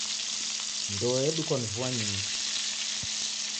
Ndoe edukwa ni vua nyingi.